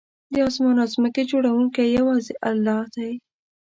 د آسمان او ځمکې جوړونکی یوازې الله دی